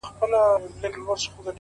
هوښیار انتخاب راتلونکی روښانوي؛